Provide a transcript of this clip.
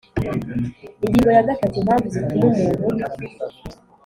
Ingingo ya gatatu Impamvu zituma umuntu